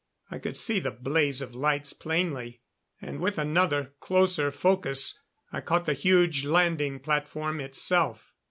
I could see the blaze of lights plainly; and with another, closer focus I caught the huge landing platform itself.